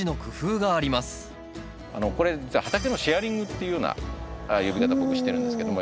これ実は畑のシェアリングっていうような呼び方僕してるんですけども。